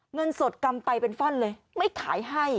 เงินสดกำไปเป็นฟ่อนเลยไม่ขายให้